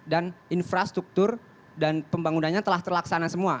dan infrastruktur dan pembangunannya telah terlaksana semua